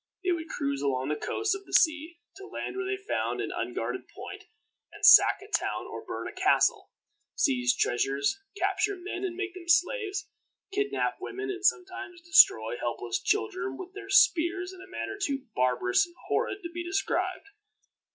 They would cruise along the coasts of the sea, to land where they found an unguarded point, and sack a town or burn a castle, seize treasures, capture men and make them slaves, kidnap women, and sometimes destroy helpless children with their spears in a manner too barbarous and horrid to be described.